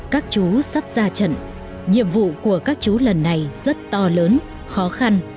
các chú sắp ra trận nhiệm vụ của các chú lần này rất to lớn khó khăn